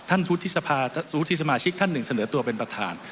สมุทธิสมาชิกท่านหนึ่งเสนอตัวเป็นประธาน